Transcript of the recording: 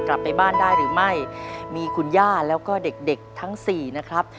กลับไปบ้านได้หรือไม่มีคุณย่าแล้วก็เด็กเด็กทั้งสี่นะครับ